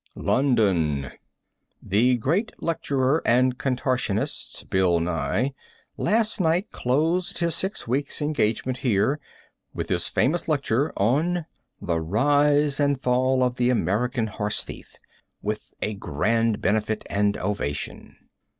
LONDON, ,. The great lecturer and contortionist, Bill Nye, last night closed his six weeks' engagement here with his famous lecture on "The Rise and Fall of the American Horse Thief," with a grand benefit and ovation.